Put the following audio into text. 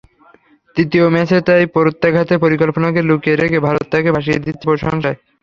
তৃতীয় ম্যাচে তাই প্রত্যাঘাতের পরিকল্পনাকে লুকিয়ে রেখে ভারত তাঁকে ভাসিয়ে দিচ্ছে প্রশংসায়।